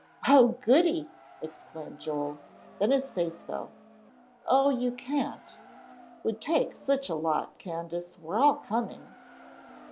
"Oh, goody!" exclaimed Joel. Then his face fell. "Oh, you can't, 'twould take such a lot, Candace; we're all coming."